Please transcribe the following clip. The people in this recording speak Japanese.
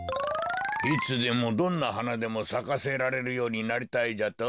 いつでもどんなはなでもさかせられるようになりたいじゃと？